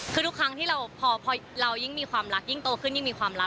คือทุกครั้งที่เราพอเรายิ่งมีความรักยิ่งโตขึ้นยิ่งมีความรัก